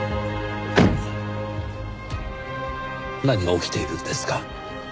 何が起きているんですか？